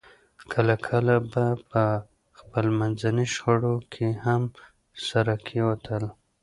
کله کله به په خپلمنځي شخړو کې هم سره کېوتل